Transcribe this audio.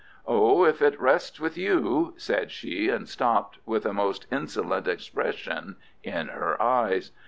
"Oh, if it rests with you——" said she, and stopped, with a most insolent expression in her eyes.